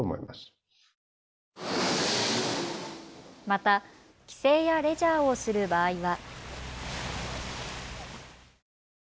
また帰省やレジャーをする場合は。